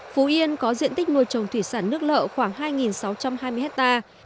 phú yên có diện tích nuôi trồng thủy sản nước lợi khoảng hai sáu trăm hai mươi hectare